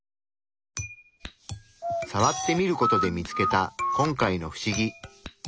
さわってみることで見つけた今回の不思議。